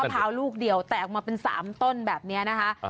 มะพร้าวลูกเดี่ยวแตกมาเป็นสามต้นแบบเนี้ยนะคะอ่า